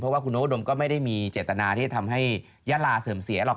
เพราะว่าคุณโอดมก็ไม่ได้มีเจตนาที่จะทำให้ยาลาเสื่อมเสียหรอก